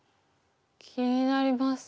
気になります。